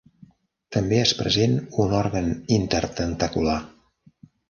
També és present un òrgan intertentacular.